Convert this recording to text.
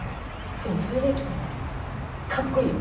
でもそれできたらカッコいいよ。